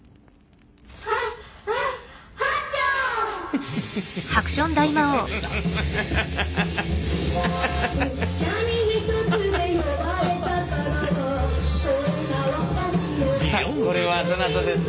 さあこれはどなたですか？